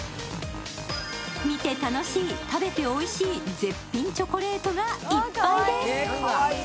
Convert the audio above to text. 見て楽しい、食べておいしい絶品チョコレートがいっぱいです。